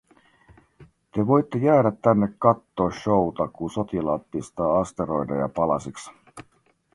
"te voitte jäädä tänne kattoo show'ta, ku sotilaat pistää asteroideja palasiks.